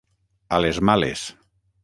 A les males.